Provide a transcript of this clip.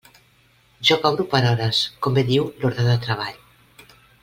Jo cobro per hores, com bé diu l'ordre de treball.